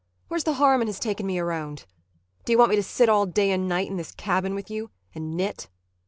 Where's the harm in his taking me around? D'you want me to sit all day and night in this cabin with you and knit?